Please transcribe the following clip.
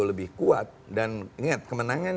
lebih kuat dan ingat kemenangan